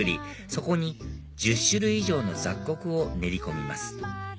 そこに１０種類以上の雑穀を練り込みます